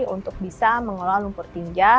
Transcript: untuk bisa mengolah lumpur tinja